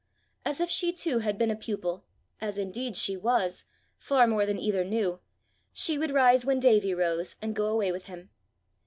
As if she too had been a pupil, as indeed she was, far more than either knew, she would rise when Davie rose, and go away with him.